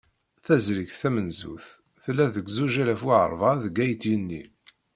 Tazrigt tamenzut, tella deg zuǧ alaf u rebεa deg At Yanni.